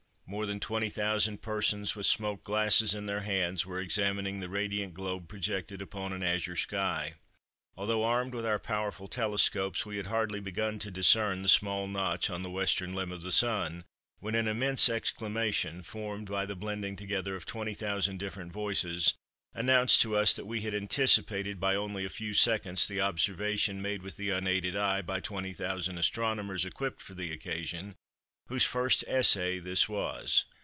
More than twenty thousand persons, with smoked glasses in their hands, were examining the radiant globe projected upon an azure sky. Although armed with our powerful telescopes, we had hardly begun to discern the small notch on the western limb of the Sun, when an immense exclamation, formed by the blending together of twenty thousand different voices, announced to us that we had anticipated by only a few seconds the observation made with the unaided eye by twenty thousand astronomers equipped for the occasion, whose first essay this was.